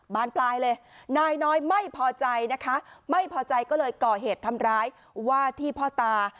บานปลายเลยนายน้อยไม่พอใจนะคะไม่พอใจก็เลยก่อเหตุทำร้ายว่าที่พ่อตา